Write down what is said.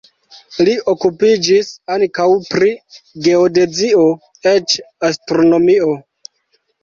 Li okupiĝis ankaŭ pri geodezio, eĉ astronomio.